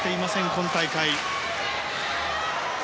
今大会。